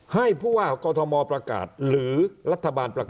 ให้ผู้ว่ากอทมประกาศหรือรัฐบาลประกาศ